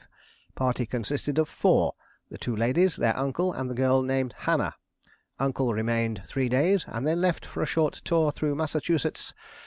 Party consisted of four; the two ladies, their uncle, and the girl named Hannah. Uncle remained three days, and then left for a short tour through Massachusetts.